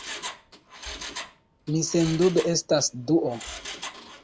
Mi sendube estas Duo!